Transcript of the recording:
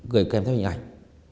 gửi kèm theo hình ảnh